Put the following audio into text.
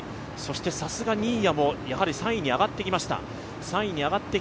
さすが新谷も３位に上がってきました。